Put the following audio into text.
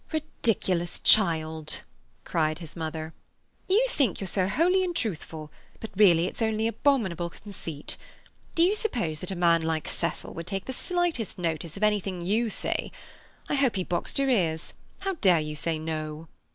"Ridiculous child!" cried his mother. "You think you're so holy and truthful, but really it's only abominable conceit. Do you suppose that a man like Cecil would take the slightest notice of anything you say? I hope he boxed your ears. How dare you say no?"